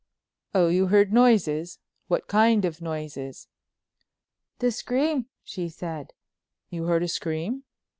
"Oh, you heard noises—what kind of noises?" "The scream," she said. "You heard a scream?"